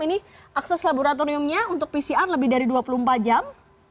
ini akses laboratoriumnya untuk pcr lebih dari dua puluh empat jam